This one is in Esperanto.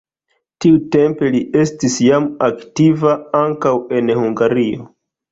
Tiutempe li estis jam aktiva ankaŭ en Hungario.